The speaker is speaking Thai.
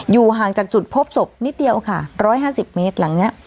อยู่ห่างจากจุดพบศพนิดเดียวค่ะร้อยห้าสิบเมตรหลังเนี้ย